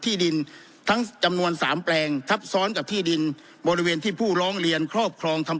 ที่ดินทั้งจำนวนสามแปลงทับซ้อนกับที่ดินบริเวณที่ผู้ร้องเรียนครอบครองทำ